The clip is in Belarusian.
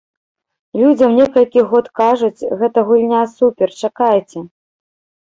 Людзям некалькі год кажуць, гэта гульня супер, чакайце.